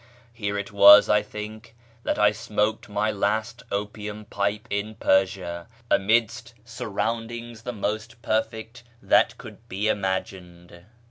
Here it was, I think, that I smoked my last opium pipe in Persia, amidst surroundings the most perfect that could be imagined.